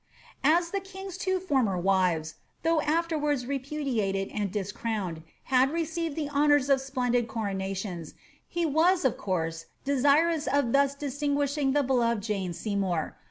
As the king's two former wives (though afterwards repudiated and discrowned) had received the honours of splendid coronations, he was of course desirous of thus distinguishing the beloved Jane Seymour.